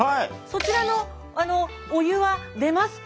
そちらのあのお湯は出ますか？